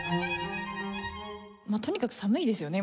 もうとにかく寒いですよね